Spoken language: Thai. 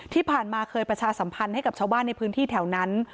ที่ผ่านมาเคยประชาสัมพันธ์ให้กับชาวบ้านในพื้นที่แถวนั้น